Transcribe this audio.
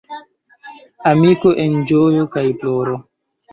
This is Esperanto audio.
Amiko en ĝojo kaj ploro.